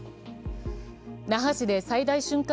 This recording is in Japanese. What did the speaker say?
那覇市で最大瞬間